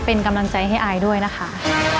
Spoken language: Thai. เป็นกำลังใจให้อายด้วยนะคะ